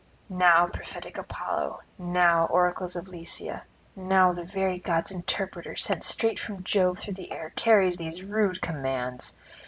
Now prophetic Apollo, now oracles of Lycia, now the very gods' interpreter sent straight from Jove through the air carries these rude commands!